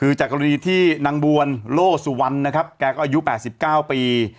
คือจากกรณีที่นางบวลโล่สุวรรณนะครับแกก็อายุ๘๙ปี